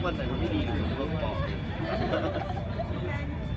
แม่กับผู้วิทยาลัย